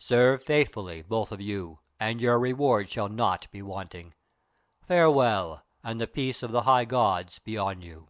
"Serve faithfully, both of you, and your reward shall not be wanting. Farewell, and the peace of the High Gods be on you."